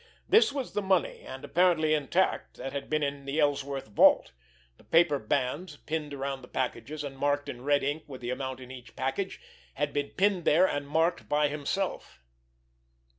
This was the money, and apparently intact, that had been in the Ellsworth vault; the paper bands pinned around the packages, and marked in red ink with the amount in each package, had been pinned there and marked by himself!